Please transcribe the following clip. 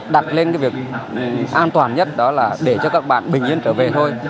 đặt lên cái việc an toàn nhất đó là để cho các bạn bình yên trở về thôi